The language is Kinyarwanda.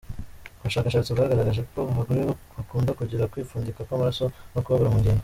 Ubushakashatsi bwagaragaje ko abagore bo bakunda kugira kwipfundika kw’amaraso no kubabara mu ngingo.